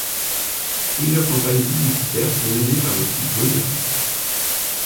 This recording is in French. Plusieurs compagnes publicitaires sont menées par l'équipe Voliris.